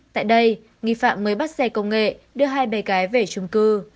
tại đây nghi phạm mới bắt xe công nghệ đưa hai bé gái về trung cư